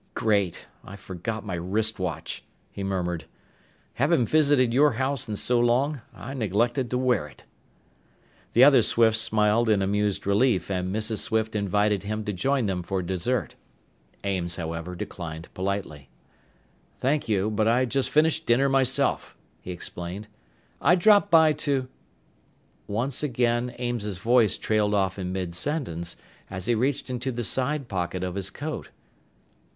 "Great! I forgot my wrist watch!" he murmured. "Haven't visited your house in so long I neglected to wear it." The other Swifts smiled in amused relief, and Mrs. Swift invited him to join them for dessert. Ames, however, declined politely. "Thank you, but I just finished dinner myself," he explained. "I dropped by to " Once again Ames's voice trailed off in midsentence, as he reached into the side pocket of his coat.